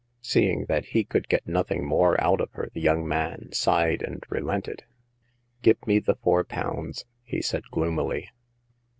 Seeing that he could get nothing more out of her, the young man sighed and relented. Give me the four pounds," he said, gloomily.